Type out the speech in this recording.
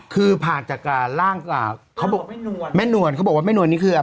คือผ่านจากการร่างอ่าเขาบอกว่าแม่นวลแม่นวลเขาบอกว่าแม่นวลนี่คือ